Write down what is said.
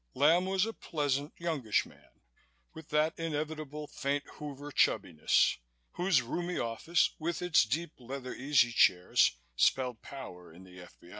Lamb was a pleasant, youngish man with that inevitable faint Hoover chubbiness whose roomy office with its deep leather easy chairs spelled power in the F.